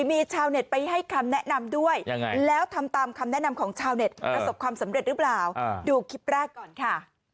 มีชาวเน็ตไปให้คำแนะนำด้วยแล้วทำตามคำแนะนำของชาวเน็ตประสบความสำเร็จหรือเปล่าดูคลิปแรกก่อนค่ะ